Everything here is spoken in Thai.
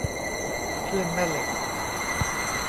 คลื่นแม่เหล็ก